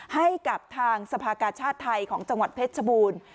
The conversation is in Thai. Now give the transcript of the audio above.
ให้กับทางสภากาชาติไทยของจังหวัดเพชรชบูรณ์